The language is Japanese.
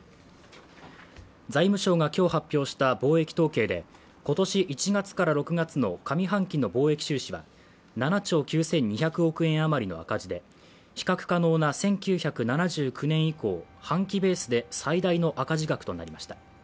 財務省が今日発表した貿易統計で今年１月から６月の上半期の貿易収支は７兆９２００億円あまりの赤字で、比較可能な１９７９年以降半期ベースで最大の赤字額となりました。